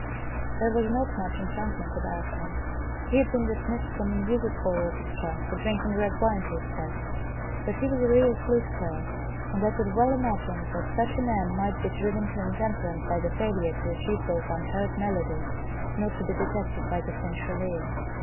There was not much enchantment about him he had been dismissed from a music hall orchestra for drinking red wine to excess but he was a real flute player, and I could well imagine that such a man might be driven to in temperance by the failure to achieve those 11 unheard melodies " not to be detected by the sensual ear.